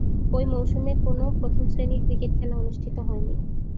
ঐ মৌসুমে কোন প্রথম-শ্রেণীর ক্রিকেট খেলা অনুষ্ঠিত হয়নি।